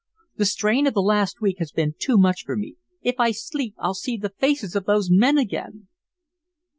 The strain of the last week has been too much for me. If I sleep I'll see the faces of those men again."